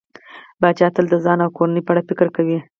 پاچا تل د ځان او کورنۍ په اړه فکر کوي.